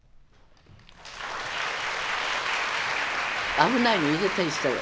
危ないの入れたりしたら。